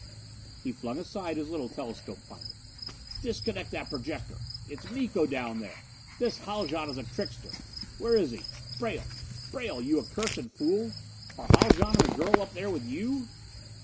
He flung aside his little telescope finder. "Disconnect that projector! It's Miko down there! This Haljan is a trickster! Where is he? Braile Braile, you accursed fool! Are Haljan and the girl up there with you?"